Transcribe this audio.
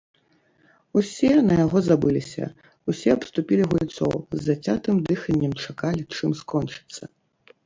Усе на яго забыліся, усе абступілі гульцоў, з зацятым дыханнем чакалі, чым скончыцца.